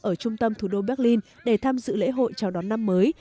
ở trung tâm thủ đô berlin để tham dự lễ hội chào đón năm mới